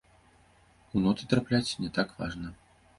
У ноты трапляць не так важна.